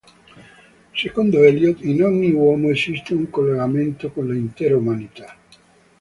Secondo Eliot, in ogni uomo esiste un collegamento con l'intera umanità.